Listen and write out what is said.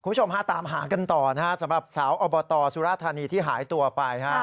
คุณผู้ชมฮะตามหากันต่อนะฮะสำหรับสาวอบตสุรธานีที่หายตัวไป